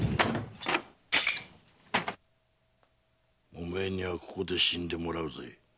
お前にはここで死んでもらうぜ。